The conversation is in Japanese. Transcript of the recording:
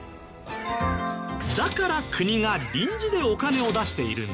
だから国が臨時でお金を出しているんです。